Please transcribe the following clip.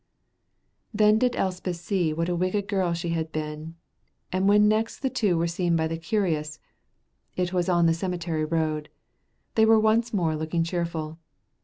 Then did Elspeth see what a wicked girl she had been, and when next the two were seen by the curious (it was on the cemetery road), they were once more looking cheerful.